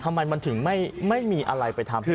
ทำไมมันถึงไม่มีอะไรไปทำ